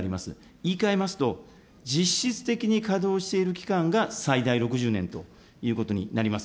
言いかえますと、実質的に稼働している期間が最大６０年ということになります。